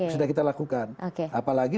sudah kita lakukan apalagi